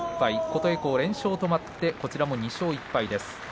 琴恵光、連勝止まってこちらも２勝１敗です。